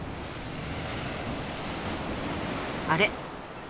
あれ？